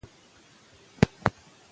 تاسو باید د خپل هیواد لپاره خدمت وکړئ.